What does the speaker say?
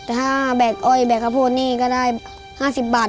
ถ้าแบกอ้อยแบกข้าวโพดนี่ก็ได้๕๐บาท